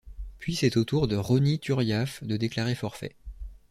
Puis c'est au tour de Ronny Turiaf de déclarer forfait.